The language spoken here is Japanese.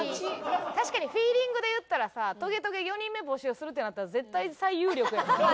確かにフィーリングで言ったらさ『トゲトゲ』４人目募集するってなったら絶対最有力やんな。